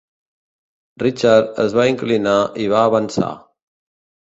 Richard es va inclinar i va avançar.